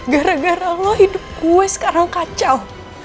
gara gara lo hidup gue sekarang kacau